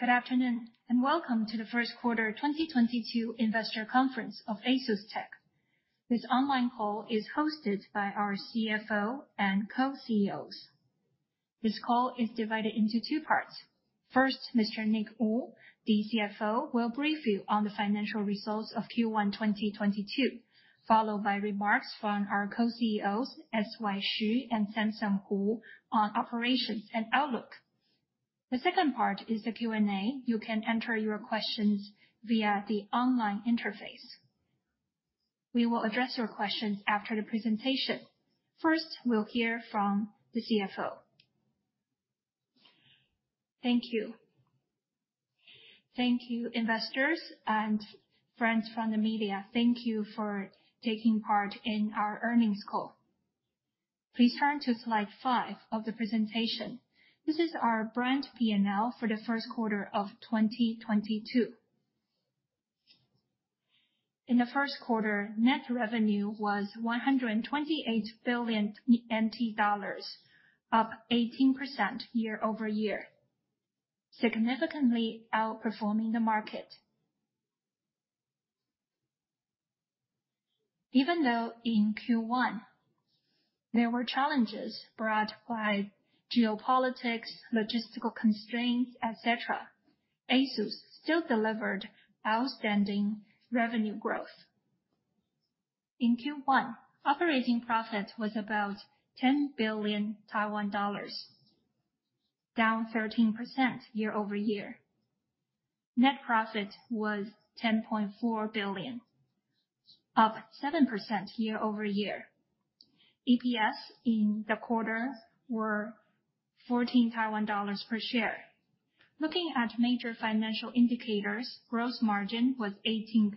Good afternoon, and welcome to the first quarter 2022 investor conference of ASUS. This online call is hosted by our CFO and co-CEOs. This call is divided into two parts. First, Mr. Nick Wu, the CFO, will brief you on the financial results of Q1 2022, followed by remarks from our co-CEOs, S.Y. Hsu and Samson Hu, on operations and outlook. The second part is the Q&A. You can enter your questions via the online interface. We will address your questions after the presentation. First, we'll hear from the CFO. Thank you. Thank you, investors and friends from the media. Thank you for taking part in our earnings call. Please turn to slide five of the presentation. This is our brand P&L for the first quarter of 2022. In the first quarter, net revenue was 128 billion NT dollars, up 18% year-over-year, significantly outperforming the market. Even though in Q1 there were challenges brought by geopolitics, logistical constraints, et cetera, ASUS still delivered outstanding revenue growth. In Q1, operating profit was about 10 billion Taiwan dollars, down 13% year-over-year. Net profit was 10.4 billion, up 7% year-over-year. EPS in the quarter were 14 Taiwan dollars per share. Looking at major financial indicators, gross margin was 18.7%.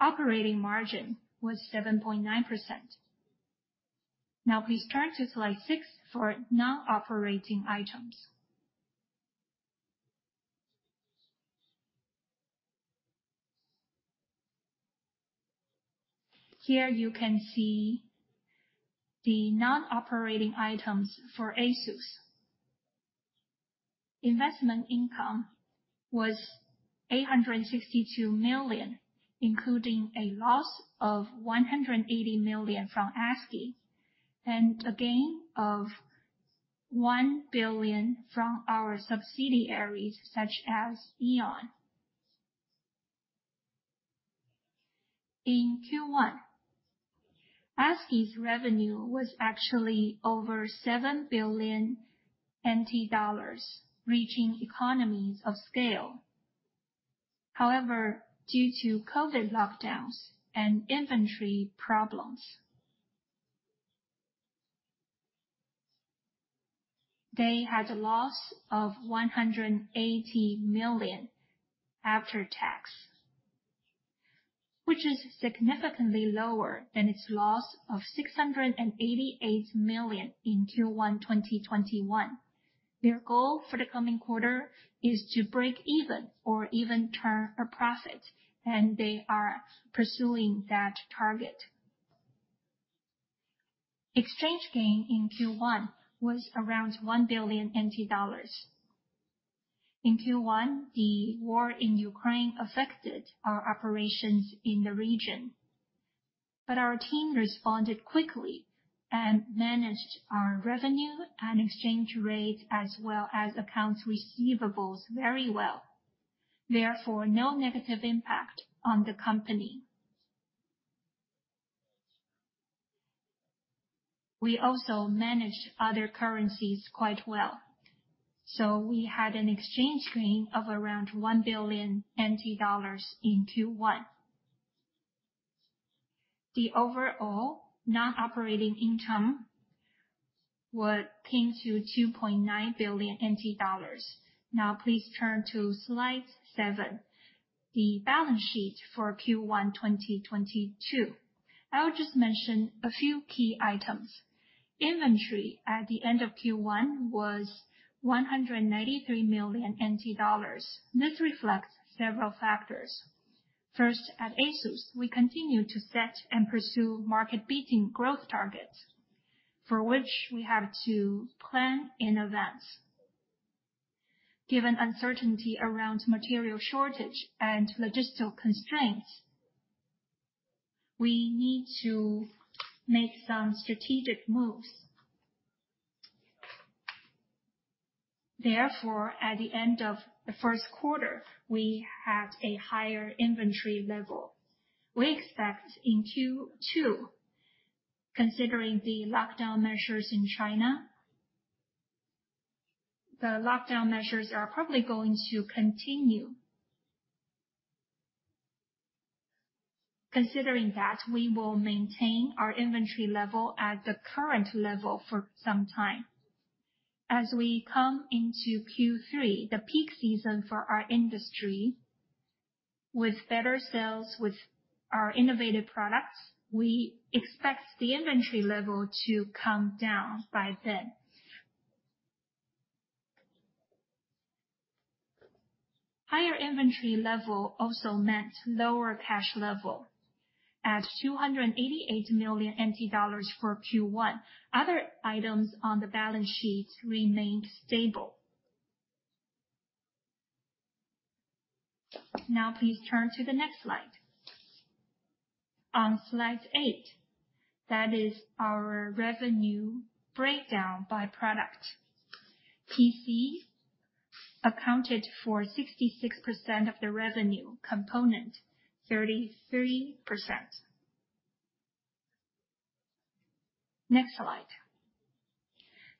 Operating margin was 7.9%. Now please turn to slide six for non-operating items. Here you can see the non-operating items for ASUS. Investment income was 862 million, including a loss of 180 million from Askey, and a gain of 1 billion from our subsidiaries, such as AAEON. In Q1, Askey's revenue was actually over 7 billion NT dollars, reaching economies of scale. However, due to COVID lockdowns and inventory problems they had a loss of 180 million after tax, which is significantly lower than its loss of 688 million in Q1 2021. Their goal for the coming quarter is to break even or even turn a profit, and they are pursuing that target. Exchange gain in Q1 was around 1 billion NT dollars. In Q1, the war in Ukraine affected our operations in the region, but our team responded quickly and managed our revenue and exchange rate as well as accounts receivable very well. Therefore, no negative impact on the company. We also managed other currencies quite well, so we had an exchange gain of around 1 billion NT dollars in Q1. The overall non-operating income would came to 2.9 billion NT dollars. Now please turn to slide seven, the balance sheet for Q1 2022. I'll just mention a few key items. Inventory at the end of Q1 was 193 million NT dollars. This reflects several factors. First, at ASUS, we continue to set and pursue market-beating growth targets, for which we have to plan in advance. Given uncertainty around material shortage and logistical constraints, we need to make some strategic moves. Therefore, at the end of the first quarter, we have a higher inventory level. We expect in Q2, considering the lockdown measures in China, the lockdown measures are probably going to continue. Considering that, we will maintain our inventory level at the current level for some time. As we come into Q3, the peak season for our industry, with better sales with our innovative products, we expect the inventory level to come down by then. Your inventory level also meant lower cash level at 288 million NT dollars for Q1. Other items on the balance sheet remained stable. Now please turn to the next slide. On slide eight, that is our revenue breakdown by product. PC accounted for 66% of the revenue. Component, 33%. Next slide.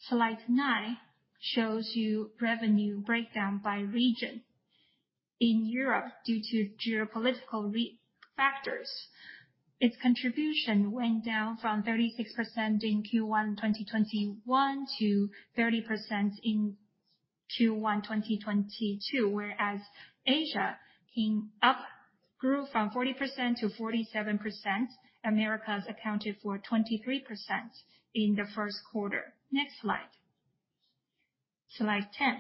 Slide nine shows you revenue breakdown by region. In Europe, due to geopolitical risk factors, its contribution went down from 36% in Q1 2021 to 30% in Q1 2022. Whereas Asia came up, grew from 40% to 47%. Americas accounted for 23% in the first quarter. Next slide. Slide ten.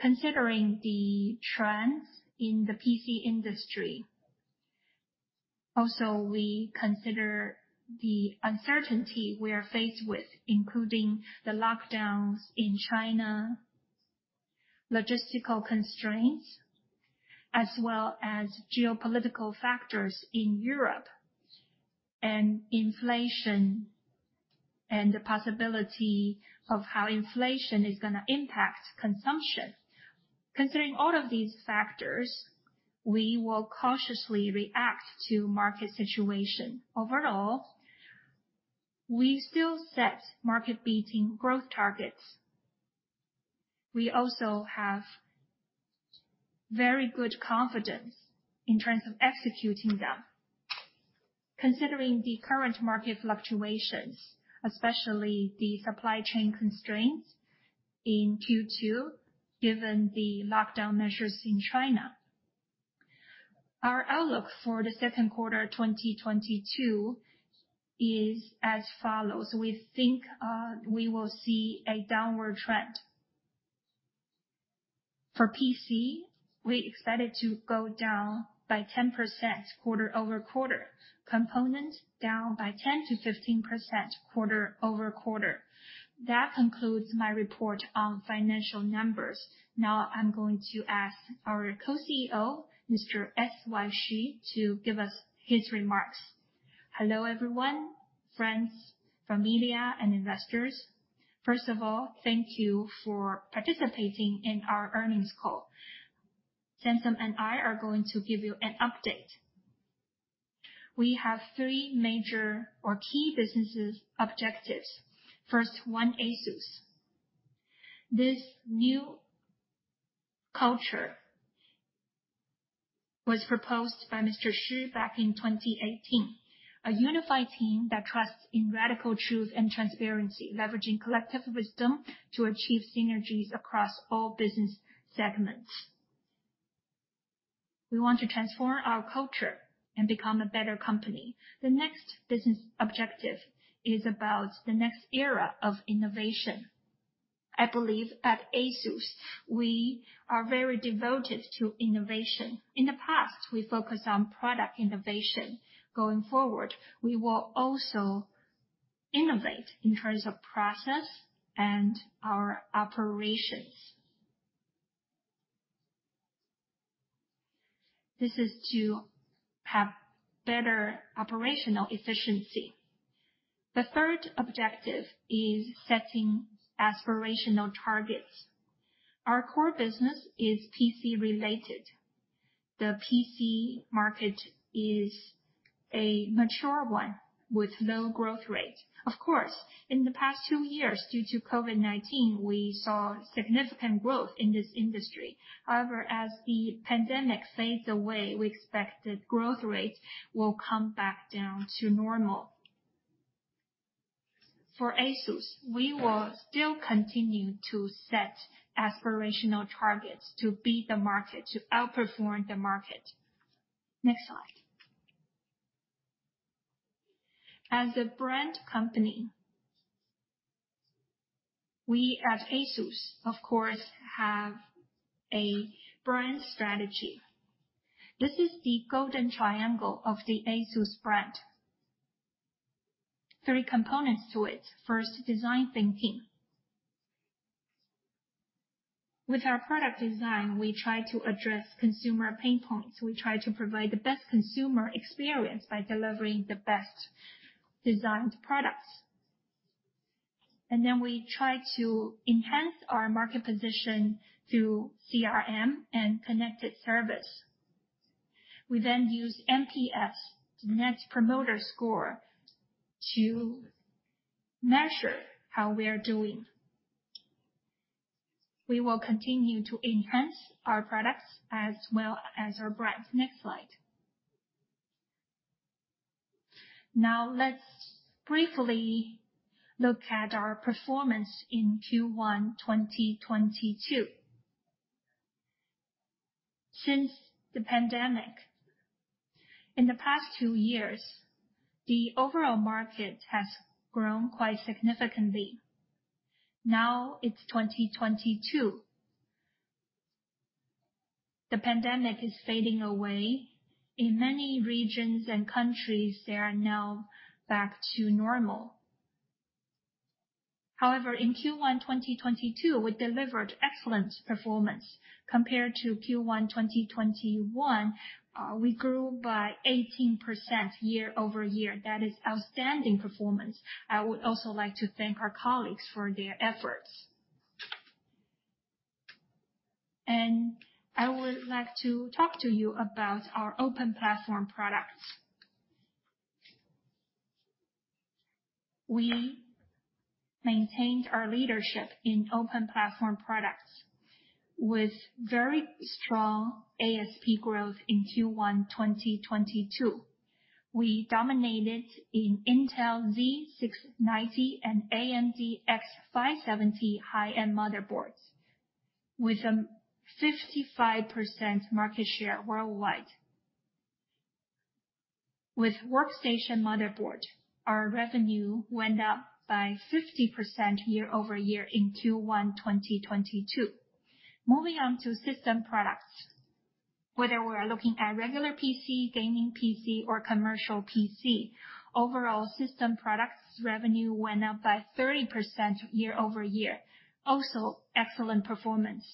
Considering the trends in the PC industry, also we consider the uncertainty we are faced with, including the lockdowns in China, logistical constraints, as well as geopolitical factors in Europe, and inflation and the possibility of how inflation is gonna impact consumption. Considering all of these factors, we will cautiously react to market situation. Overall, we still set market-beating growth targets. We also have very good confidence in terms of executing them. Considering the current market fluctuations, especially the supply chain constraints in Q2, given the lockdown measures in China, our outlook for the second quarter 2022 is as follows. We think we will see a downward trend. For PC, we expect it to go down by 10% quarter-over-quarter. Component, down by 10%-15% quarter-over-quarter. That concludes my report on financial numbers. Now I'm going to ask our co-CEO, Mr. S.Y Hsu, to give us his remarks. Hello, everyone, friends from media and investors. First of all, thank you for participating in our earnings call. Samson and I are going to give you an update. We have three major or key business objectives. First one, ASUS. This new culture was proposed by Mr. Shih back in 2018, a unified team that trusts in radical truth and transparency, leveraging collective wisdom to achieve synergies across all business segments. We want to transform our culture and become a better company. The next business objective is about the next era of innovation. I believe at ASUS, we are very devoted to innovation. In the past, we focused on product innovation. Going forward, we will also innovate in terms of process and our operations. This is to have better operational efficiency. The third objective is setting aspirational targets. Our core business is PC-related. The PC market is a mature one with low growth rate. Of course, in the past two years, due to COVID-19, we saw significant growth in this industry. However, as the pandemic fades away, we expect the growth rate will come back down to normal. For ASUS, we will still continue to set aspirational targets to beat the market, to outperform the market. Next slide. As a brand company, we at ASUS, of course, have a brand strategy. This is the golden triangle of the ASUS brand. Three components to it. First, design thinking. With our product design, we try to address consumer pain points. We try to provide the best consumer experience by delivering the best designed products. We try to enhance our market position through CRM and connected service. We then use NPS, Net Promoter Score, to measure how we are doing. We will continue to enhance our products as well as our brands. Next slide. Now let's briefly look at our performance in Q1 2022. In the past two years, the overall market has grown quite significantly. Now it's 2022. The pandemic is fading away. In many regions and countries, they are now back to normal. However, in Q1 2022, we delivered excellent performance compared to Q1 2021. We grew by 18% year over year. That is outstanding performance. I would also like to thank our colleagues for their efforts. I would like to talk to you about our open platform products. We maintained our leadership in open platform products with very strong ASP growth in Q1 2022. We dominated in Intel Z690 and AMD X570 high-end motherboards, with a 55% market share worldwide. With workstation motherboard, our revenue went up by 50% year-over-year in Q1 2022. Moving on to system products. Whether we're looking at regular PC, gaming PC or commercial PC, overall system products revenue went up by 30% year-over-year. Also, excellent performance.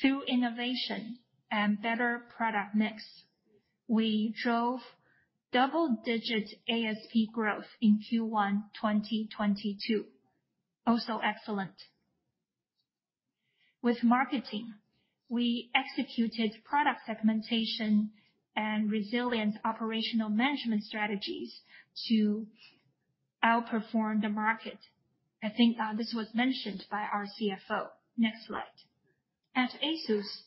Through innovation and better product mix, we drove double-digit ASP growth in Q1 2022. Also excellent. With marketing, we executed product segmentation and resilient operational management strategies to outperform the market. I think, this was mentioned by our CFO. Next slide. At ASUS,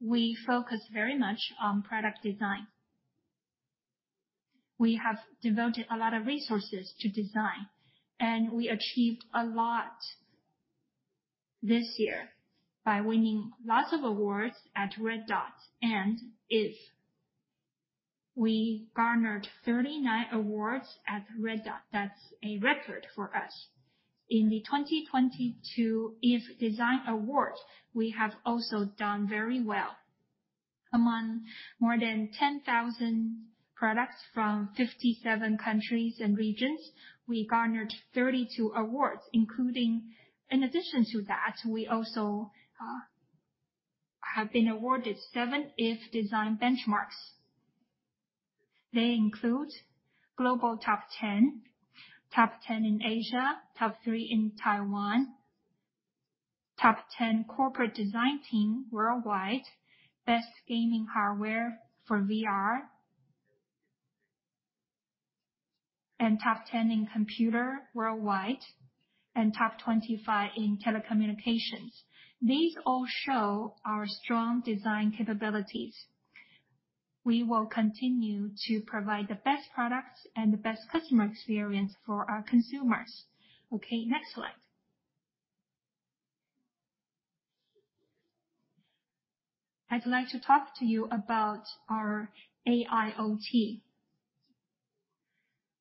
we focus very much on product design. We have devoted a lot of resources to design, and we achieved a lot this year by winning lots of awards at Red Dot and iF. We garnered 39 awards at Red Dot. That's a record for us. In the 2022 iF Design Awards, we have also done very well. Among more than 10,000 products from 57 countries and regions, we garnered 32 awards. In addition to that, we also have been awarded 7 iF Design Benchmarks. They include Global Top 10, Top 10 in Asia, Top three in Taiwan, Top 10 Corporate Design Team worldwide, Best Gaming Hardware for VR, and Top 10 in Computer worldwide, and Top 25 in Telecommunications. These all show our strong design capabilities. We will continue to provide the best products and the best customer experience for our consumers. Okay, next slide. I'd like to talk to you about our AIoT.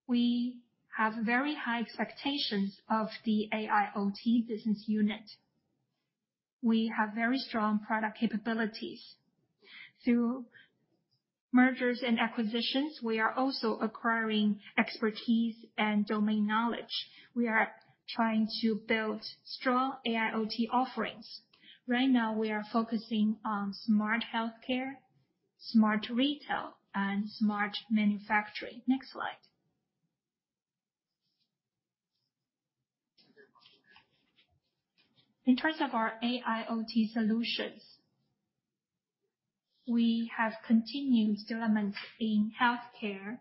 We have very high expectations of the AIoT business unit. We have very strong product capabilities. Through mergers and acquisitions, we are also acquiring expertise and domain knowledge. We are trying to build strong AIoT offerings. Right now, we are focusing on smart healthcare, smart retail, and smart manufacturing. Next slide. In terms of our AIoT solutions, we have continued elements in healthcare.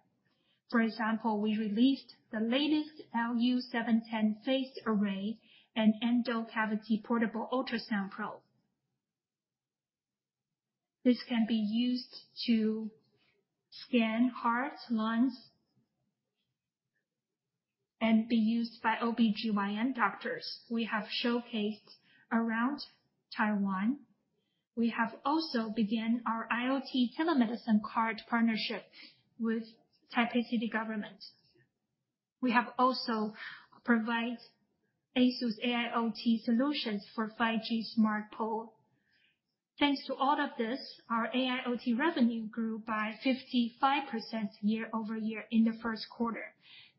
For example, we released the latest LU710 phased array and endocavity portable ultrasound probe. This can be used to scan heart, lungs, and be used by OB/GYN doctors. We have showcased around Taiwan. We have also began our IoT telemedicine card partnership with Taipei City government. We have also provide ASUS AIoT solutions for 5G smart pole. Thanks to all of this, our AIoT revenue grew by 55% year-over-year in the first quarter.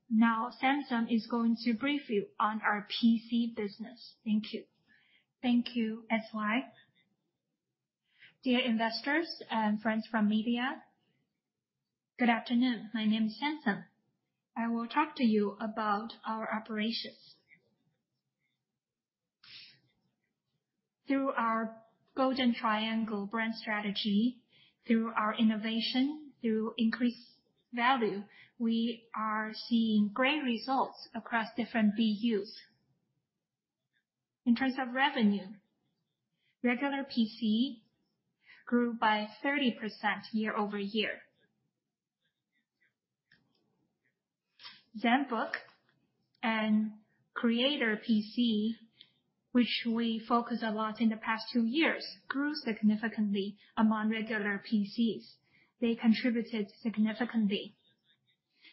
Now Samson is going to brief you on our PC business. Thank you. Thank you, SY. Dear investors and friends from media, good afternoon. My name is Samson. I will talk to you about our operations. Through our golden triangle brand strategy, through our innovation, through increased value, we are seeing great results across different BUs. In terms of revenue, regular PC grew by 30% year-over-year. Zenbook and Creator PC, which we focus a lot in the past two years, grew significantly among regular PCs. They contributed significantly.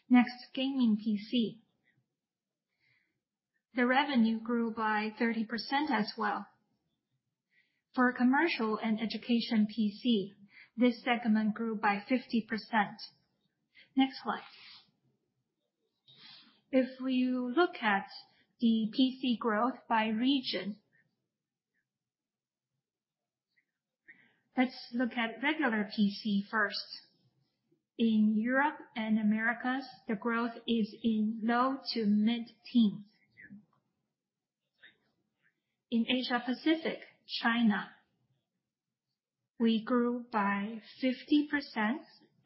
Next, gaming PC. The revenue grew by 30% as well. For commercial and education PC, this segment grew by 50%. Next slide. If you look at the PC growth by region. Let's look at regular PC first. In Europe and Americas, the growth is in low to mid-teens. In Asia-Pacific China, we grew by 50%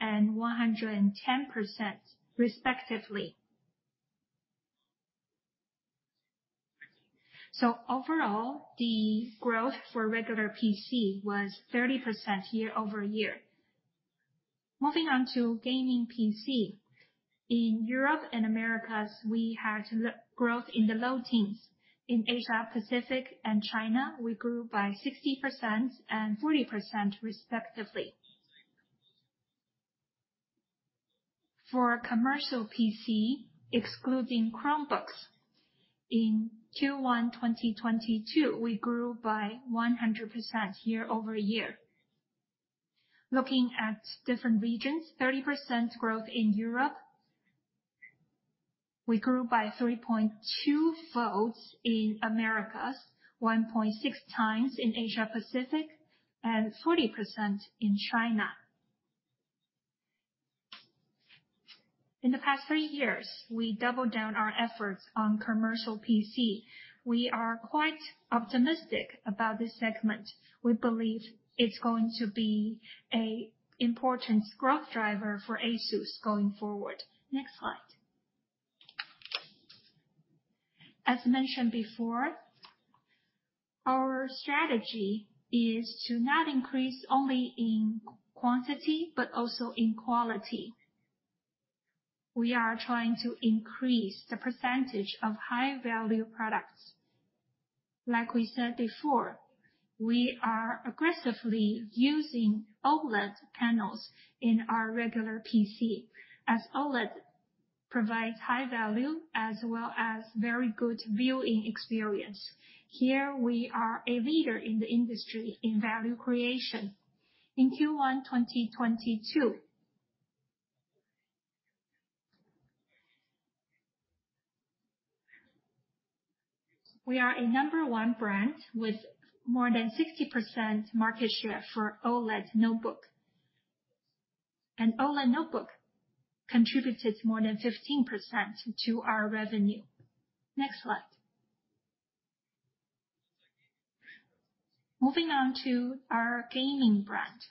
and 110% respectively. Overall, the growth for regular PC was 30% year-over-year. Moving on to gaming PC. In Europe and Americas, we had growth in the low teens. In Asia-Pacific and China, we grew by 60% and 40% respectively. For commercial PC, excluding Chromebooks, in Q1 2022, we grew by 100% year-over-year. Looking at different regions, 30% growth in Europe. We grew by 3.2 folds in Americas, 1.6 times in Asia-Pacific, and 40% in China. In the past 3 years, we doubled down our efforts on commercial PC. We are quite optimistic about this segment. We believe it's going to be an important growth driver for ASUS going forward. Next slide. As mentioned before, our strategy is to not increase only in quantity, but also in quality. We are trying to increase the percentage of high-value products. Like we said before, we are aggressively using OLED panels in our regular PC, as OLED provides high value as well as very good viewing experience. Here we are a leader in the industry in value creation. In Q1 2022, we are a number one brand with more than 60% market share for OLED notebook. An OLED notebook contributed more than 15% to our revenue. Next slide. Moving on to our gaming brand.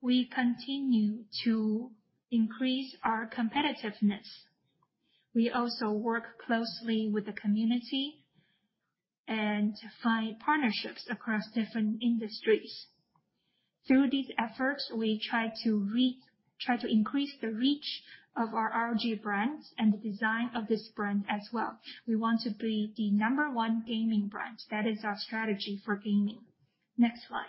We continue to increase our competitiveness. We also work closely with the community and find partnerships across different industries. Through these efforts, we try to increase the reach of our ROG brands and the design of this brand as well. We want to be the number one gaming brand. That is our strategy for gaming. Next slide.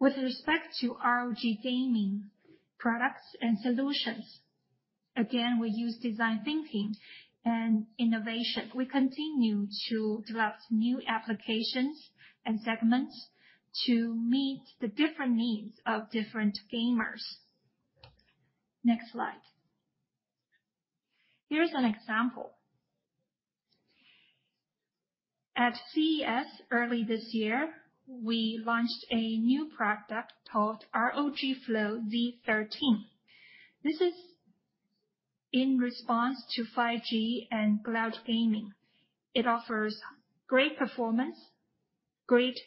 With respect to ROG gaming products and solutions, again, we use design thinking and innovation. We continue to develop new applications and segments to meet the different needs of different gamers. Next slide. Here's an example. At CES early this year, we launched a new product called ROG Flow Z13. This is in response to 5G and cloud gaming. It offers great performance, great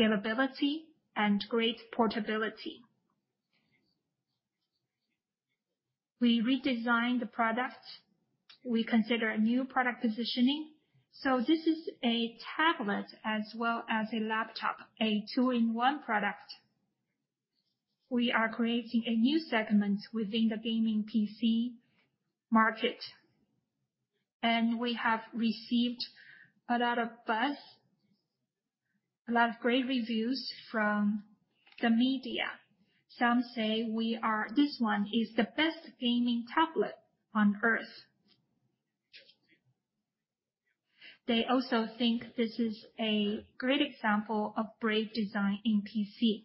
scalability, and great portability. We redesigned the product. We consider a new product positioning, so this is a tablet as well as a laptop, a two-in-one product. We are creating a new segment within the gaming PC market, and we have received a lot of buzz, a lot of great reviews from the media. Some say this one is the best gaming tablet on Earth. They also think this is a great example of brave design in PC,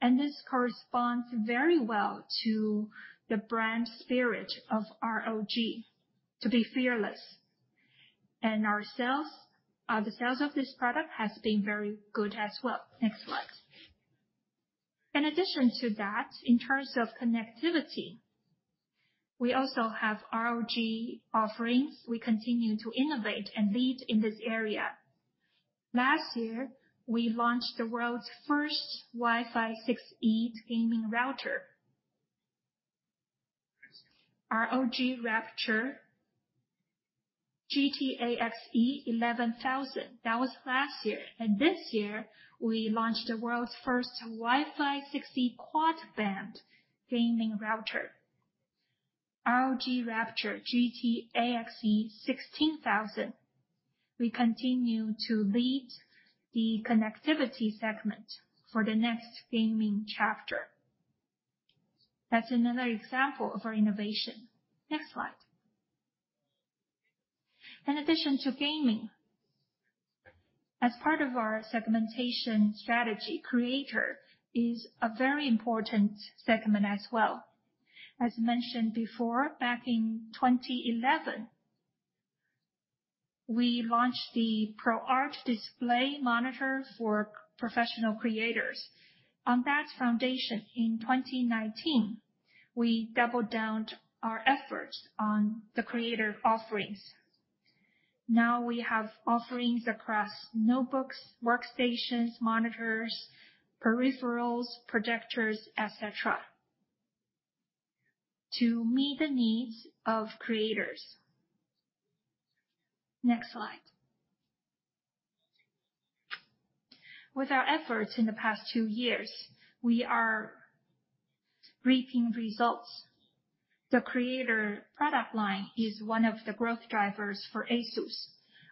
and this corresponds very well to the brand spirit of ROG, to be fearless. The sales of this product has been very good as well. Next slide. In addition to that, in terms of connectivity, we also have ROG offerings. We continue to innovate and lead in this area. Last year, we launched the world's first Wi-Fi 6E gaming router. ROG Rapture GT-AXE11000. That was last year. This year, we launched the world's first Wi-Fi 6E quad band gaming router, ROG Rapture GT-AXE16000. We continue to lead the connectivity segment for the next gaming chapter. That's another example of our innovation. Next slide. In addition to gaming, as part of our segmentation strategy, Creator is a very important segment as well. As mentioned before, back in 2011, we launched the ProArt display monitor for professional creators. On that foundation, in 2019, we doubled down our efforts on the Creator offerings. Now we have offerings across notebooks, workstations, monitors, peripherals, projectors, et cetera, to meet the needs of creators. Next slide. With our efforts in the past two years, we are reaping results. The Creator product line is one of the growth drivers for ASUS.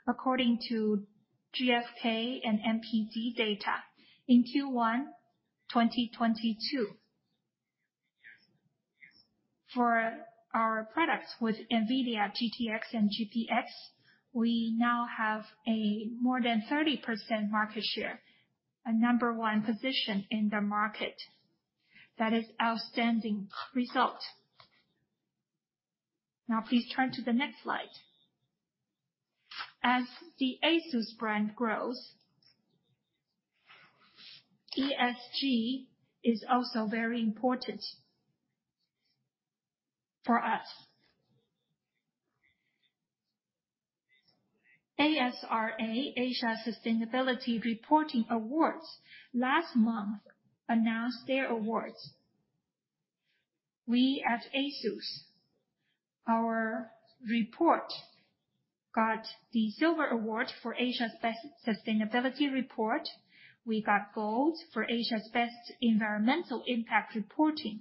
According to GfK and NPD data, in Q1 2022 for our products with NVIDIA, GTX, we now have a more than 30% market share. A number one position in the market. That is outstanding result. Now please turn to the next slide. As the ASUS brand grows, ESG is also very important for us. ASRA, Asia Sustainability Reporting Awards, last month announced their awards. We at ASUS, our report got the silver award for Asia's Best Sustainability Report. We got gold for Asia's Best Environmental Impact Reporting,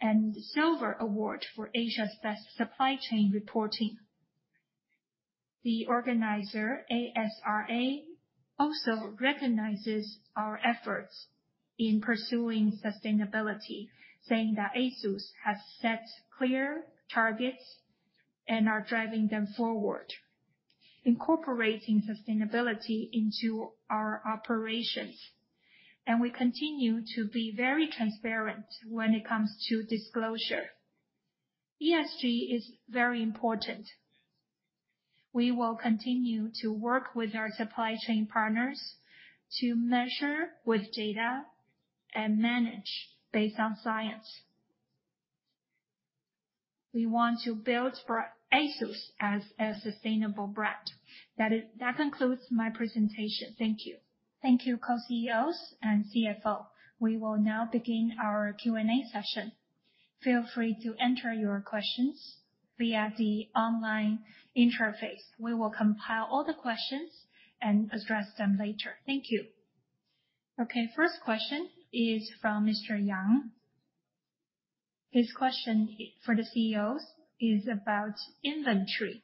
and silver award for Asia's Best Supply Chain Reporting. The organizer, ASRA, also recognizes our efforts in pursuing sustainability, saying that ASUS has set clear targets and are driving them forward, incorporating sustainability into our operations, and we continue to be very transparent when it comes to disclosure. ESG is very important. We will continue to work with our supply chain partners to measure with data and manage based on science. We want to build for ASUS as a sustainable brand. That concludes my presentation. Thank you. Thank you, co-CEOs and CFO. We will now begin our Q&A session. Feel free to enter your questions via the online interface. We will compile all the questions and address them later. Thank you. Okay, first question is from Mr. Yang. His question for the CEOs is about inventory.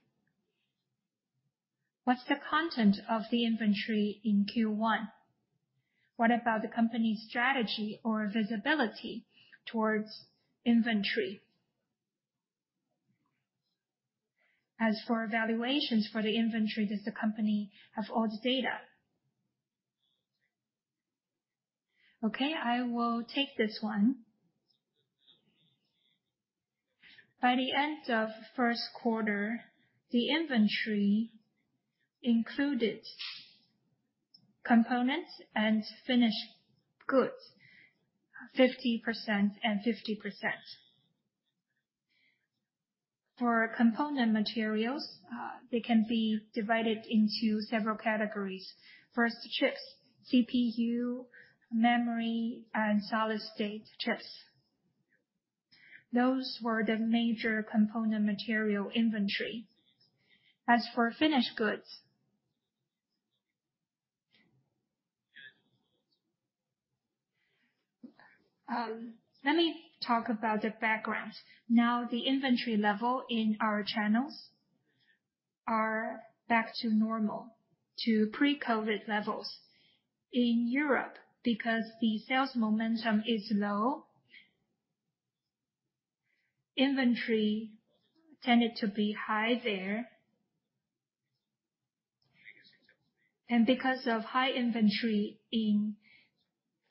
What's the content of the inventory in Q1? What about the company's strategy or visibility toward inventory? As for evaluations for the inventory, does the company have all the data? Okay, I will take this one. By the end of first quarter, the inventory included components and finished goods, 50% and 50%. For component materials, they can be divided into several categories. First, chips, CPU, memory, and solid-state chips. Those were the major component material inventory. As for finished goods, let me talk about the background. Now, the inventory level in our channels are back to normal, to pre-COVID levels. In Europe, because the sales momentum is low, inventory tended to be high there. Because of high inventory in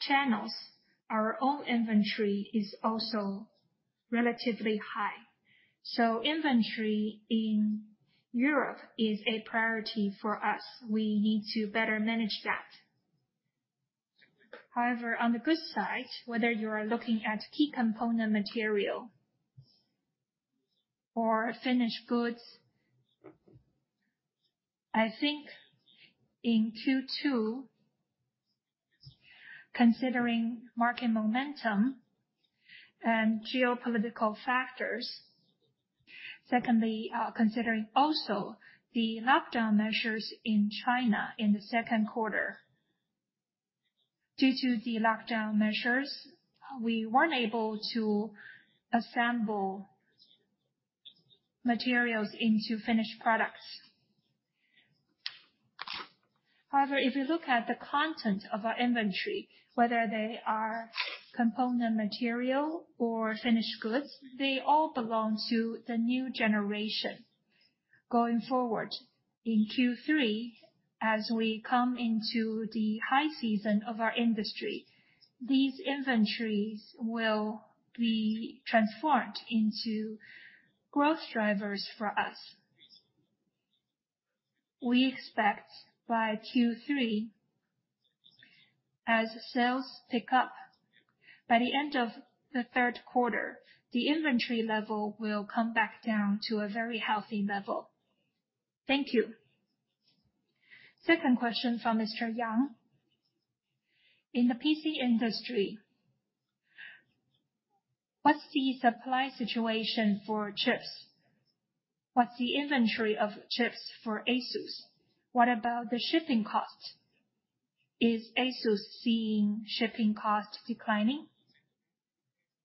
channels, our own inventory is also relatively high. Inventory in Europe is a priority for us. We need to better manage that. However, on the good side, whether you are looking at key component material or finished goods, I think in Q2. Considering market momentum and geopolitical factors. Secondly, considering also the lockdown measures in China in the second quarter. Due to the lockdown measures, we weren't able to assemble materials into finished products. However, if you look at the content of our inventory, whether they are component material or finished goods, they all belong to the new generation. Going forward, in Q3, as we come into the high season of our industry, these inventories will be transformed into growth drivers for us. We expect by Q3, as sales pick up, by the end of the third quarter, the inventory level will come back down to a very healthy level. Thank you. Second question from Mr. Young: In the PC industry, what's the supply situation for chips? What's the inventory of chips for ASUS? What about the shipping cost? Is ASUS seeing shipping costs declining?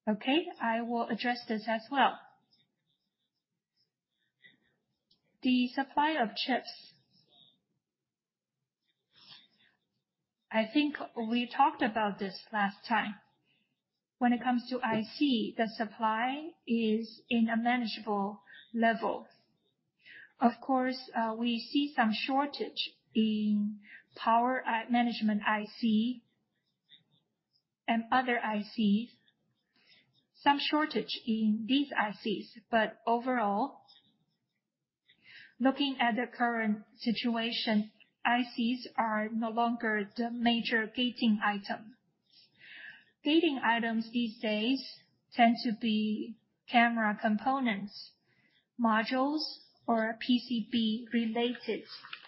Okay, I will address this as well. The supply of chips. I think we talked about this last time. When it comes to IC, the supply is in a manageable level. Of course, we see some shortage in power management IC and other ICs, some shortage in these ICs. But overall, looking at the current situation, ICs are no longer the major gating item. Gating items these days tend to be camera components, modules, or PCB-related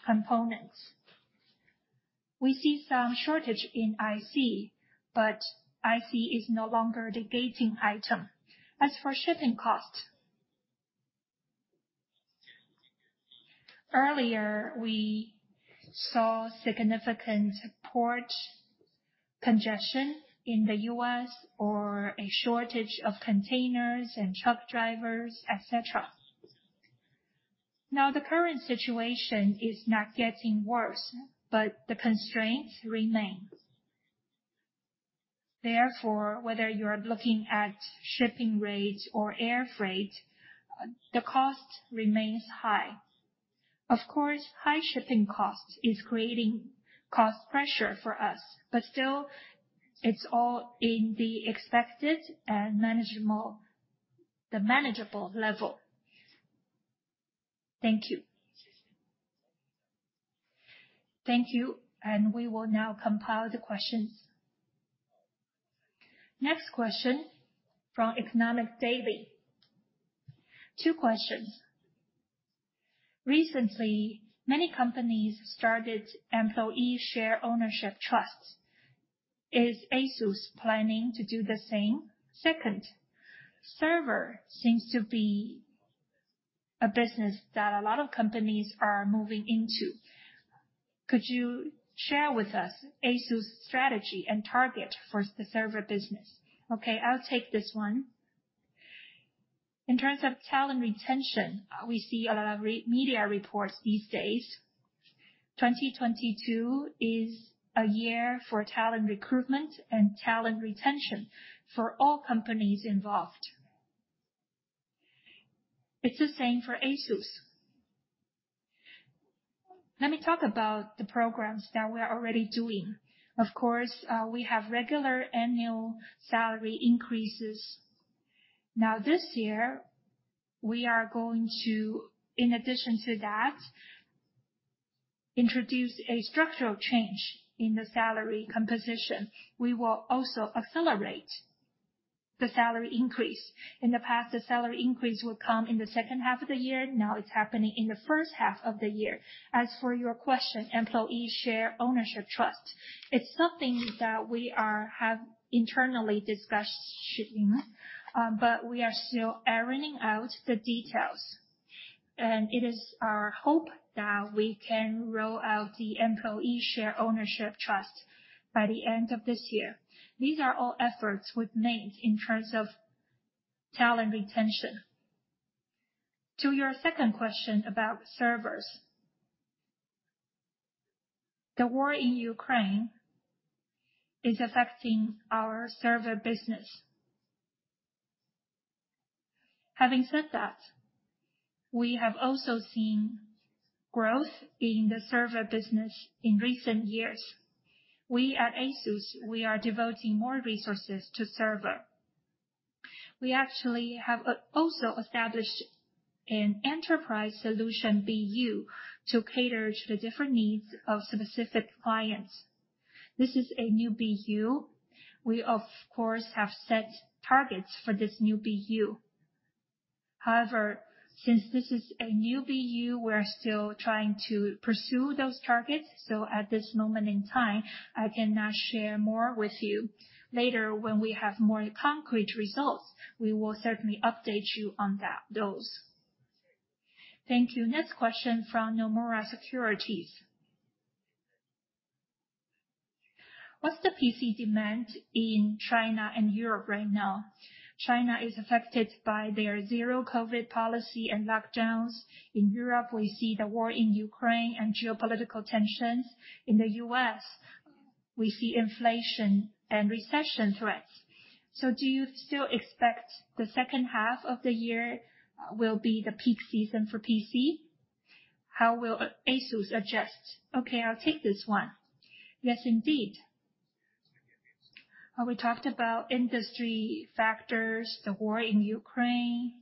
components. We see some shortage in IC, but IC is no longer the gating item. As for shipping cost, earlier, we saw significant port congestion in the U.S. or a shortage of containers and truck drivers, et cetera. Now, the current situation is not getting worse, but the constraints remain. Therefore, whether you're looking at shipping rates or air freight, the cost remains high. Of course, high shipping cost is creating cost pressure for us, but still it's all in the expected and manageable level. Thank you. Thank you. We will now compile the questions. Next question from Economic Daily News. Two questions. Recently, many companies started employee share ownership trusts. Is ASUS planning to do the same? Second, server seems to be a business that a lot of companies are moving into. Could you share with us ASUS strategy and target for the server business? Okay, I'll take this one. In terms of talent retention, we see a lot of recent media reports these days. 2022 is a year for talent recruitment and talent retention for all companies involved. It's the same for ASUS. Let me talk about the programs that we're already doing. Of course, we have regular annual salary increases. Now, this year, we are going to, in addition to that, introduce a structural change in the salary composition. We will also accelerate the salary increase. In the past, the salary increase would come in the second half of the year. Now it's happening in the first half of the year. As for your question, employee share ownership trust, it's something that we have internally discussed, but we are still ironing out the details. It is our hope that we can roll out the employee share ownership trust by the end of this year. These are all efforts we've made in terms of talent retention. To your second question about servers. The war in Ukraine is affecting our server business. Having said that, we have also seen growth in the server business in recent years. We at ASUS, we are devoting more resources to server. We actually have also established an enterprise solution BU to cater to the different needs of specific clients. This is a new BU. We of course have set targets for this new BU. However, since this is a new BU, we're still trying to pursue those targets. At this moment in time, I cannot share more with you. Later, when we have more concrete results, we will certainly update you on that, those. Thank you. Next question from Nomura Securities. What's the PC demand in China and Europe right now? China is affected by their zero COVID policy and lockdowns. In Europe, we see the war in Ukraine and geopolitical tensions. In the US, we see inflation and recession threats. Do you still expect the second half of the year will be the peak season for PC? How will ASUS adjust? Okay, I'll take this one. Yes, indeed. We talked about industry factors, the war in Ukraine,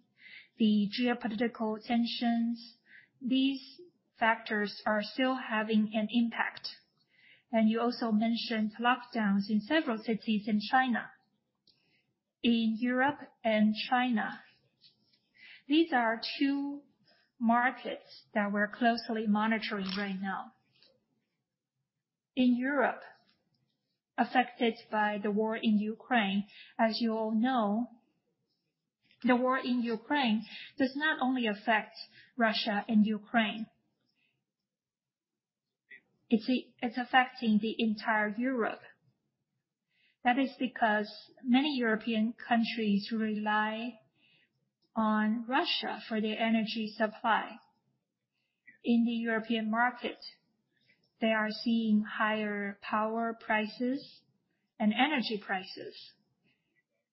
the geopolitical tensions. These factors are still having an impact. You also mentioned lockdowns in several cities in China. In Europe and China, these are two markets that we're closely monitoring right now. In Europe, affected by the war in Ukraine, as you all know, the war in Ukraine does not only affect Russia and Ukraine. It's affecting the entire Europe. That is because many European countries rely on Russia for their energy supply. In the European market, they are seeing higher power prices and energy prices,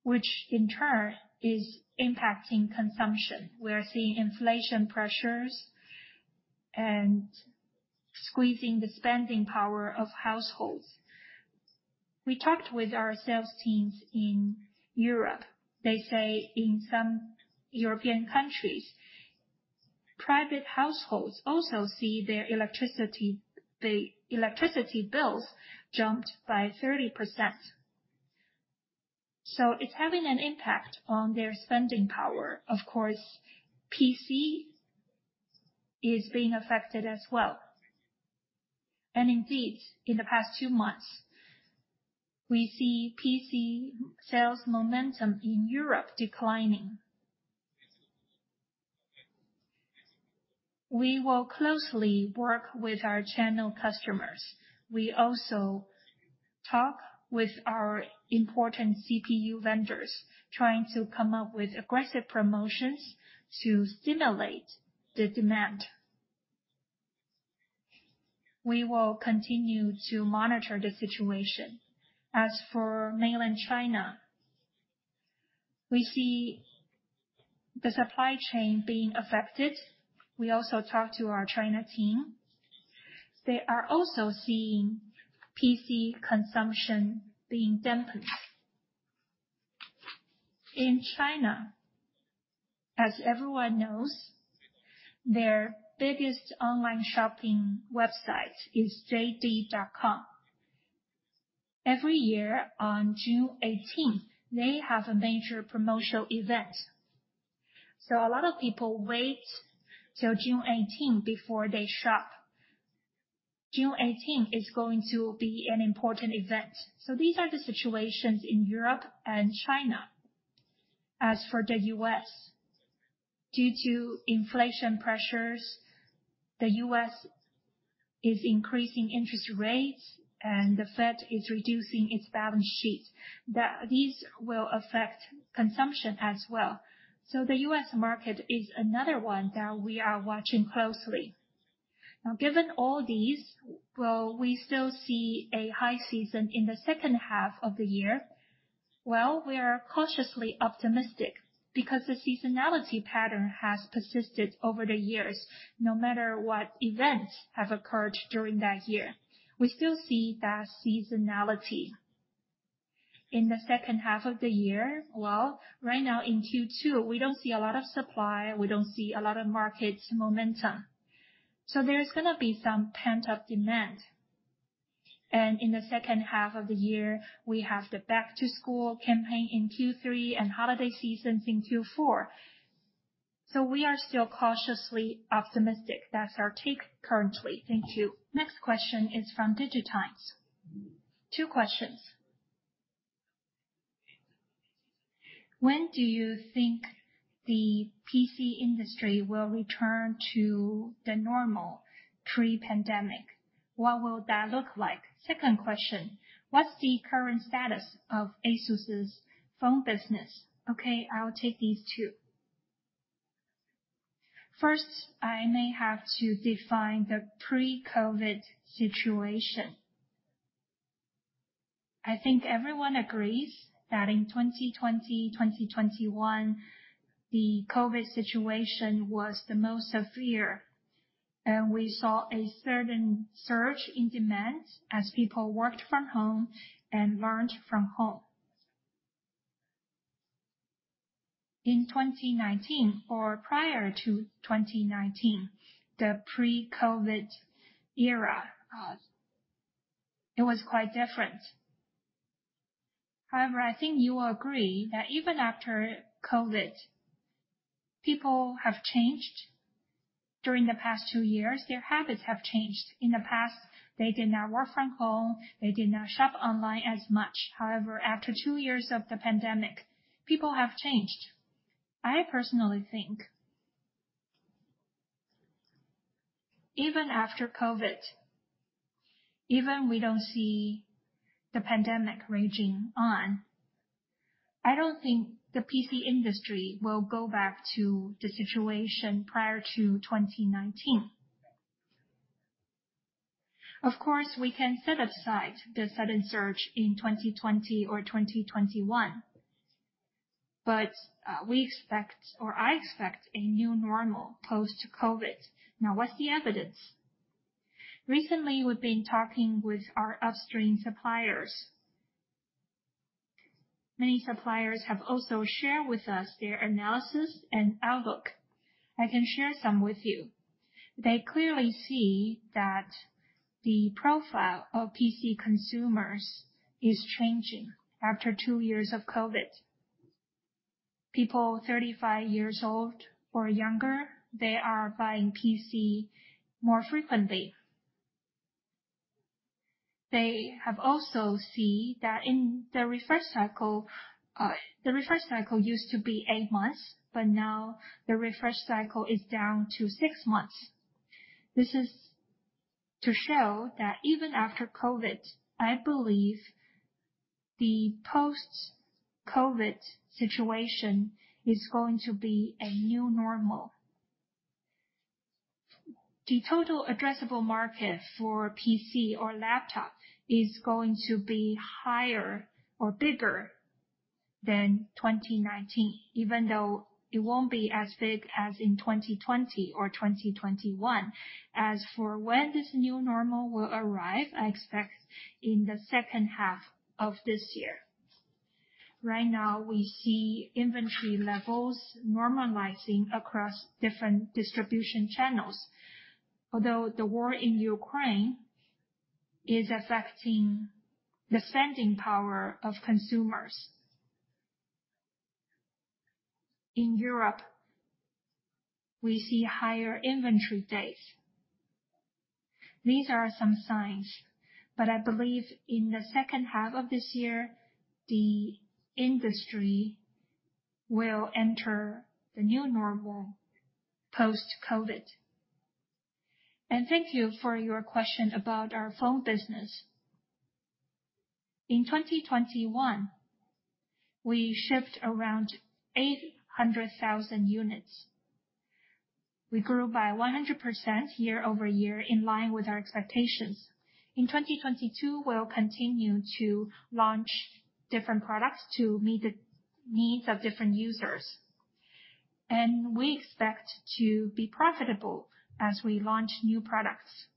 which in turn is impacting consumption. We are seeing inflation pressures and squeezing the spending power of households. We talked with our sales teams in Europe. They say in some European countries, private households also see their electricity, the electricity bills jumped by 30%. It's having an impact on their spending power. Of course, PC is being affected as well. Indeed, in the past two months, we see PC sales momentum in Europe declining. We will closely work with our channel customers. We also talk with our important CPU vendors, trying to come up with aggressive promotions to stimulate the demand. We will continue to monitor the situation. As for Mainland China, we see the supply chain being affected. We also talk to our China team. They are also seeing PC consumption being dampened. In China, as everyone knows, their biggest online shopping website is JD.com. Every year on June Eighteenth, they have a major promotional event. A lot of people wait till June Eighteenth before they shop. June Eighteenth is going to be an important event. These are the situations in Europe and China. As for the U.S., due to inflation pressures, the U.S. is increasing interest rates and the Fed is reducing its balance sheet. These will affect consumption as well. The U.S. market is another one that we are watching closely. Now, given all these, will we still see a high season in the second half of the year? Well, we are cautiously optimistic because the seasonality pattern has persisted over the years. No matter what events have occurred during that year, we still see that seasonality. In the second half of the year, well, right now in Q2, we don't see a lot of supply, we don't see a lot of market momentum, so there's gonna be some pent-up demand. In the second half of the year, we have the back-to-school campaign in Q3 and holiday seasons in Q4. We are still cautiously optimistic. That's our take currently. Thank you. Next question is from DIGITIMES. Two questions. When do you think the PC industry will return to the normal pre-pandemic? What will that look like? Second question: What's the current status of ASUS's phone business? Okay, I'll take these two. First, I may have to define the pre-COVID situation. I think everyone agrees that in 2020, 2021, the COVID situation was the most severe, and we saw a certain surge in demand as people worked from home and learned from home. In 2019 or prior to 2019, the pre-COVID era, it was quite different. However, I think you will agree that even after COVID, people have changed during the past two years. Their habits have changed. In the past, they did not work from home, they did not shop online as much. However, after two years of the pandemic, people have changed. I personally think even after COVID, even we don't see the pandemic raging on, I don't think the PC industry will go back to the situation prior to 2019. Of course, we can set aside the sudden surge in 2020 or 2021. We expect or I expect a new normal post-COVID. Now, what's the evidence? Recently, we've been talking with our upstream suppliers. Many suppliers have also shared with us their analysis and outlook. I can share some with you. They clearly see that the profile of PC consumers is changing after two years of COVID. People 35 years old or younger, they are buying PC more frequently. They have also seen that in the refresh cycle. The refresh cycle used to be 8 months, but now the refresh cycle is down to 6 months. This is to show that even after COVID, I believe the post-COVID situation is going to be a new normal. The total addressable market for PC or laptop is going to be higher or bigger than 2019, even though it won't be as big as in 2020 or 2021. As for when this new normal will arrive, I expect in the second half of this year. Right now, we see inventory levels normalizing across different distribution channels. Although the war in Ukraine is affecting the spending power of consumers. In Europe, we see higher inventory days. These are some signs, but I believe in the second half of this year, the industry will enter the new normal post-COVID. Thank you for your question about our phone business. In 2021, we shipped around 800,000 units. We grew by 100% year-over-year in line with our expectations. In 2022, we'll continue to launch different products to meet the needs of different users. We expect to be profitable as we launch new products.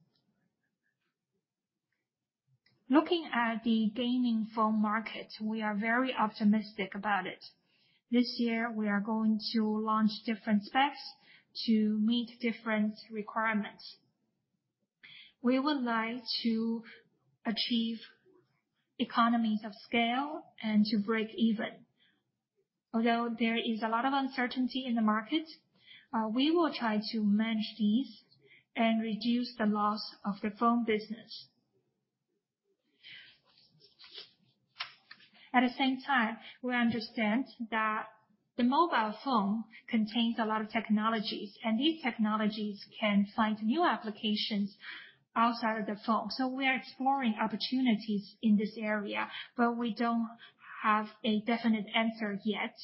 Looking at the gaming phone market, we are very optimistic about it. This year, we are going to launch different specs to meet different requirements. We would like to achieve economies of scale and to break even. Although there is a lot of uncertainty in the market, we will try to manage these and reduce the loss of the phone business. At the same time, we understand that the mobile phone contains a lot of technologies, and these technologies can find new applications outside of the phone. We are exploring opportunities in this area, but we don't have a definite answer yet.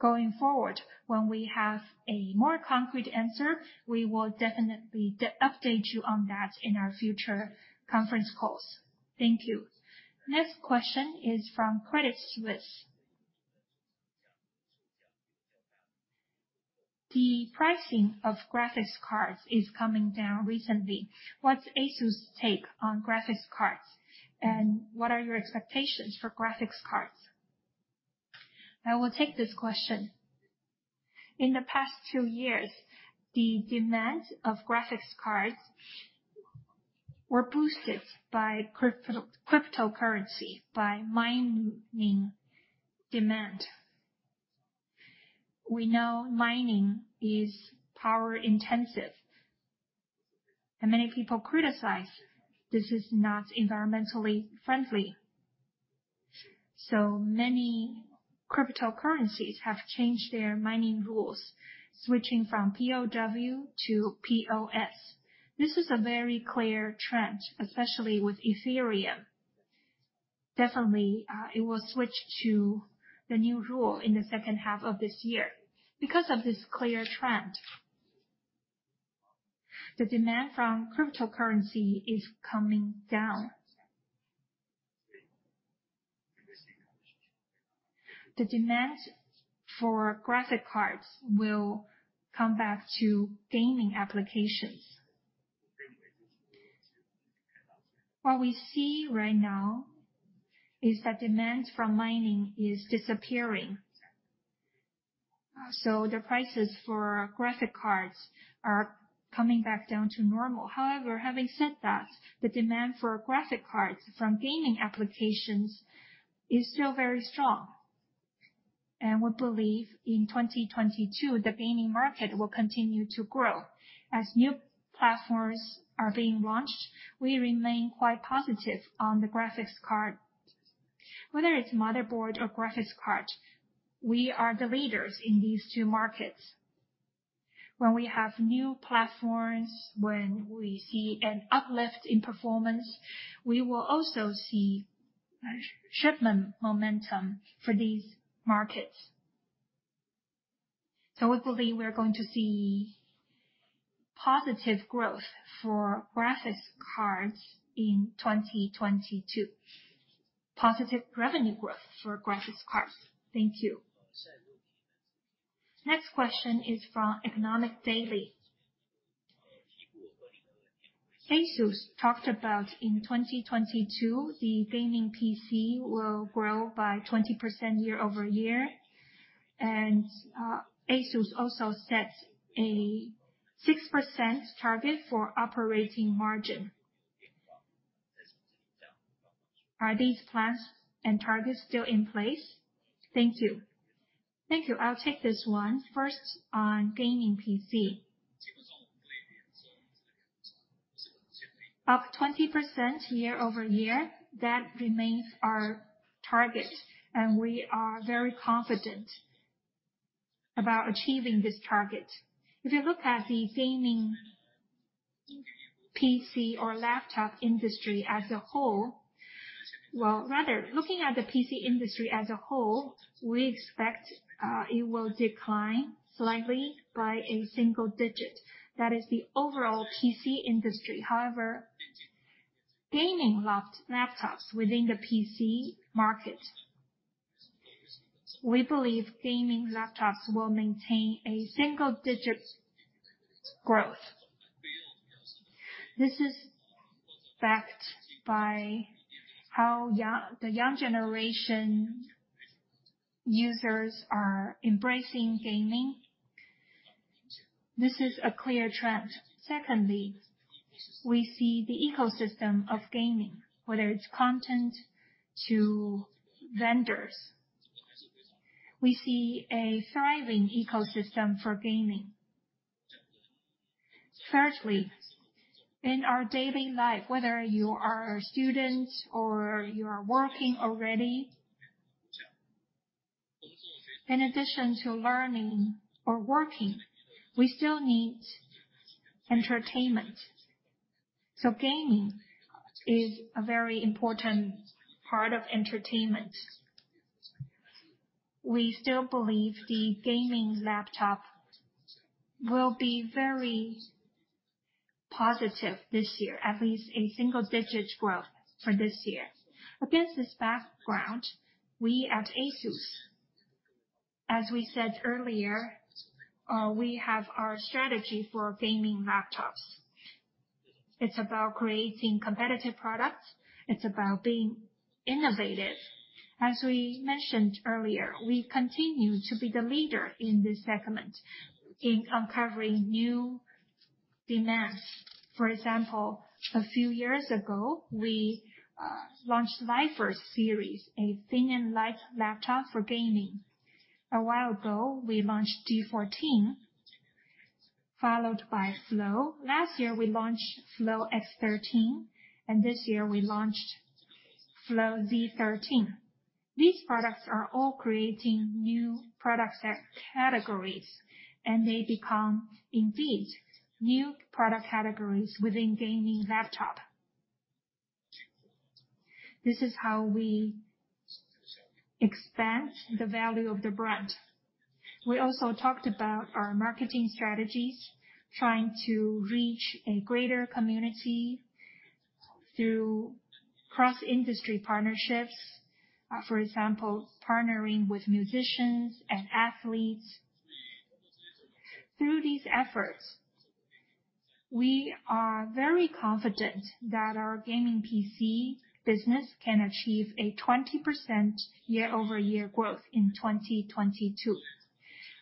Going forward, when we have a more concrete answer, we will definitely update you on that in our future conference calls. Thank you. Next question is from Credit Suisse. The pricing of graphics cards is coming down recently. What's ASUS take on graphics cards? And what are your expectations for graphics cards? I will take this question. In the past two years, the demand of graphics cards were boosted by cryptocurrency, by mining demand. We know mining is power-intensive, and many people criticize this is not environmentally friendly. Many cryptocurrencies have changed their mining rules, switching from PoW to PoS. This is a very clear trend, especially with Ethereum. Definitely, it will switch to the new rule in the second half of this year. Because of this clear trend, the demand from cryptocurrency is coming down. The demand for graphics cards will come back to gaming applications. What we see right now is that demand from mining is disappearing. The prices for graphics cards are coming back down to normal. However, having said that, the demand for graphics cards from gaming applications is still very strong. We believe in 2022, the gaming market will continue to grow as new platforms are being launched. We remain quite positive on the graphics card. Whether it's motherboard or graphics card, we are the leaders in these two markets. When we have new platforms, when we see an uplift in performance, we will also see shipment momentum for these markets. We believe we are going to see positive growth for graphics cards in 2022. Positive revenue growth for graphics cards. Thank you. Next question is from Economic Daily News. ASUS talked about in 2022, the gaming PC will grow by 20% year-over-year. Uh, ASUS also set a 6% target for operating margin. Are these plans and targets still in place? Thank you. Thank you. I'll take this one. First, on gaming PC. Up 20% year-over-year, that remains our target, and we are very confident about achieving this target. If you look at the gaming PC or laptop industry as a whole. Well, rather looking at the PC industry as a whole, we expect it will decline slightly by a single digit. That is the overall PC industry. However, gaming laptops within the PC market, we believe gaming laptops will maintain a single-digit growth. This is backed by how the young generation users are embracing gaming. This is a clear trend. Secondly, we see the ecosystem of gaming, whether it's content to vendors. We see a thriving ecosystem for gaming. Thirdly, in our daily life, whether you are a student or you are working already, in addition to learning or working, we still need entertainment. Gaming is a very important part of entertainment. We still believe the gaming laptop will be very positive this year, at least single-digit growth for this year. Against this background, we at ASUS, as we said earlier, we have our strategy for gaming laptops. It's about creating competitive products. It's about being innovative. As we mentioned earlier, we continue to be the leader in this segment in uncovering new demands. For example, a few years ago, we launched Viper series, a thin and light laptop for gaming. A while ago, we launched G14, followed by Flow. Last year, we launched Flow X13, and this year we launched Flow Z13. These products are all creating new product categories, and they become indeed new product categories within gaming laptop. This is how we expand the value of the brand. We also talked about our marketing strategies, trying to reach a greater community through cross-industry partnerships. For example, partnering with musicians and athletes. Through these efforts, we are very confident that our gaming PC business can achieve a 20% year-over-year growth in 2022.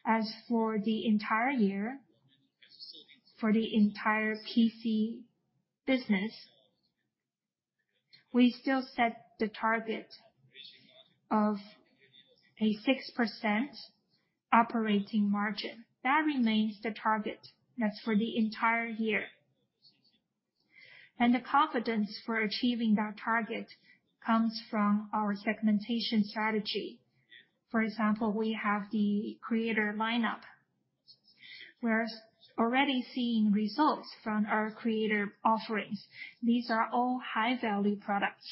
As for the entire year, for the entire PC business, we still set the target of a 6% operating margin. That remains the target. That's for the entire year. The confidence for achieving that target comes from our segmentation strategy. For example, we have the Creator lineup. We're already seeing results from our Creator offerings. These are all high-value products.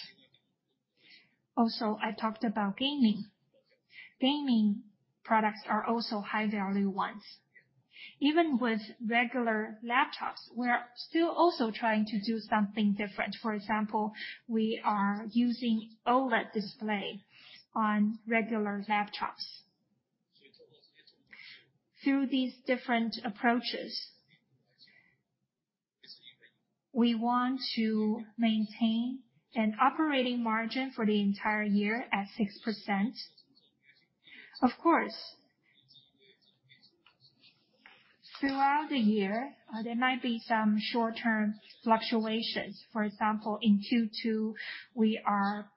Also, I talked about gaming. Gaming products are also high-value ones. Even with regular laptops, we are still also trying to do something different. For example, we are using OLED display on regular laptops. Through these different approaches. We want to maintain an operating margin for the entire year at 6%. Of course, throughout the year, there might be some short-term fluctuations. For example, in Q2, we are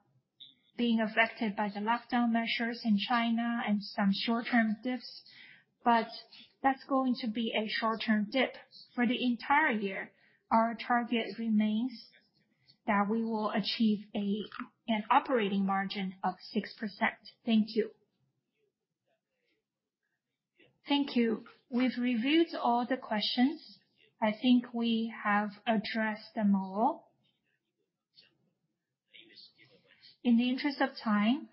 being affected by the lockdown measures in China and some short-term dips, but that's going to be a short-term dip. For the entire year, our target remains that we will achieve an operating margin of 6%. Thank you. Thank you. We've reviewed all the questions. I think we have addressed them all. In the interest of time,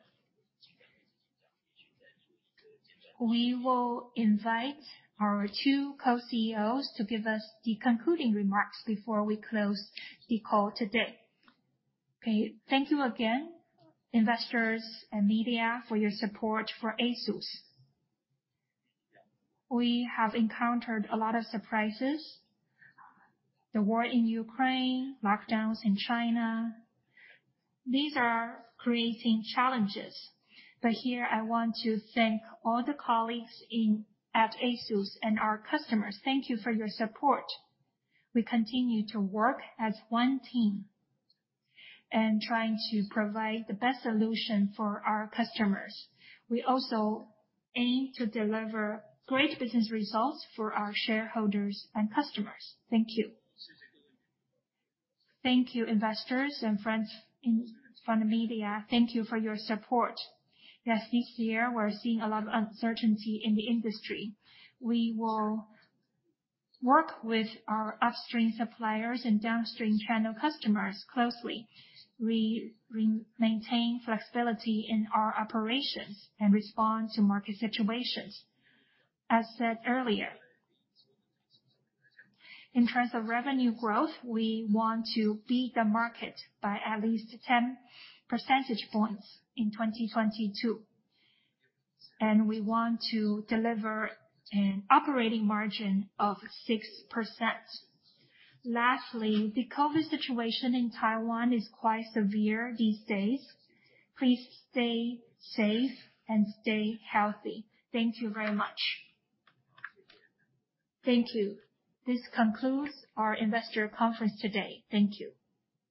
we will invite our two co-CEOs to give us the concluding remarks before we close the call today. Okay. Thank you again, investors and media for your support for ASUS. We have encountered a lot of surprises. The war in Ukraine, lockdowns in China. These are creating challenges. Here I want to thank all the colleagues in at ASUS and our customers. Thank you for your support. We continue to work as one team and trying to provide the best solution for our customers. We also aim to deliver great business results for our shareholders and customers. Thank you. Thank you, investors and friends in from the media. Thank you for your support. Yes, this year we're seeing a lot of uncertainty in the industry. We will work with our upstream suppliers and downstream channel customers closely. We maintain flexibility in our operations and respond to market situations. As said earlier, in terms of revenue growth, we want to beat the market by at least 10 percentage points in 2022, and we want to deliver an operating margin of 6%. Lastly, the COVID situation in Taiwan is quite severe these days. Please stay safe and stay healthy. Thank you very much. Thank you. This concludes our investor conference today. Thank you.